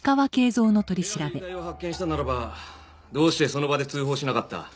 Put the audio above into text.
部屋で遺体を発見したならばどうしてその場で通報しなかった？